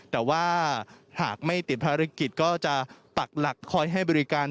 แต่ว่าหากไม่ติดภารกิจก็จะปักหลักคอยให้บริการ